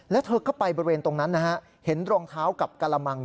แล้วเธอก็ไปบริเวณตรงนั้นนะฮะเห็นรองเท้ากับกระมัง